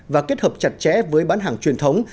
và kết hợp chặt chẽ với bán hàng truyền thống